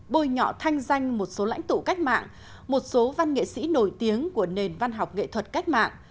bôi nhọ thanh danh một số lãnh tụ cách mạng một số văn nghệ sĩ nổi tiếng của nền văn học nghệ thuật cách mạng